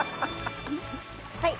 はい。